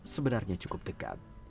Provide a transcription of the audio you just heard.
sebenarnya cukup dekat